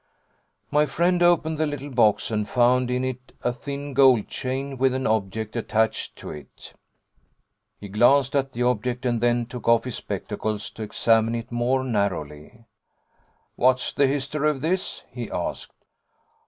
My friend opened the little box, and found in it a thin gold chain with an object attached to it. He glanced at the object and then took off his spectacles to examine it more narrowly. 'What's the history of this?' he asked.